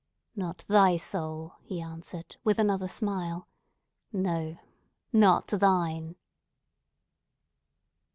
"Not thy soul," he answered, with another smile. "No, not thine!"